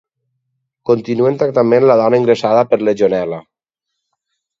Continua en tractament la dona ingressada per legionel·la